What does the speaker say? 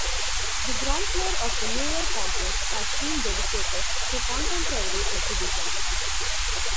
The ground floor of the newer complex has been dedicated to contemporary exhibitions.